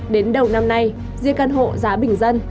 đến đầu năm nay riêng căn hộ giá bình dân